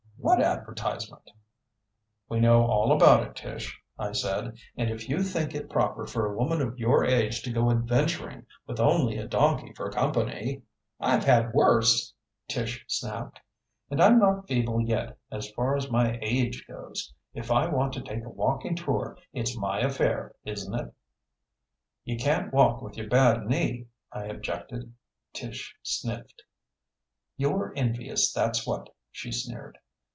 "What advertisement?" "We know all about it, Tish," I said. "And if you think it proper for a woman of your age to go adventuring with only a donkey for company " "I've had worse!" Tish snapped. "And I'm not feeble yet, as far as my age goes. If I want to take a walking tour it's my affair, isn't it?" "You can't walk with your bad knee," I objected. Tish sniffed. "You're envious, that's what," she sneered.